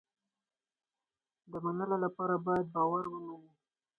د منلو لپاره باید باور ومني.